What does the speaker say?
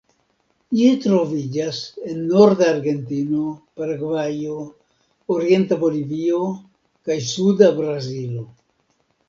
Ĝi troviĝas en norda Argentino, Paragvajo, orienta Bolivio, kaj suda Brazilo.